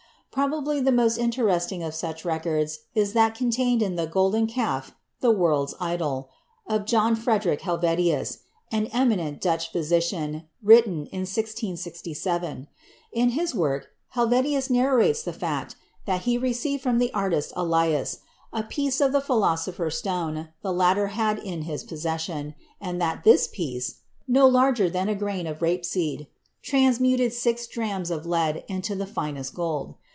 Probably the most interesting of such records is that contained in the "Golden Calf (the World's Idol)" of John Frederick Helvetius, an emi nent Dutch physician, written in 1667. In this work, Hel vetius narrates the fact that he received from the "Artist Elias" a piece of the Philosopher's Stone the latter had in his possession, and that this piece — no larger than "a grain of rape seed" — transmuted six drams of lead into the finest gold.